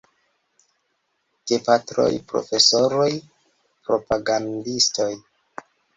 Gepatroj, Profesoroj, Propagandistoj!